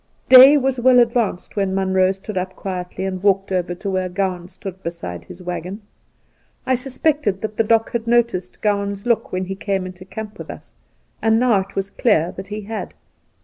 Day was well advanced when Munroe stood up quietly, and walked over to where Gowan stood beside , his waggon. I suspected that the Doc had noticed Gowan's look when he came into camp with us, and now it was clear that he had.